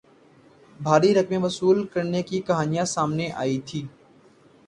بھاری رقمیں وصول کرنے کی کہانیاں سامنے آئی تھیں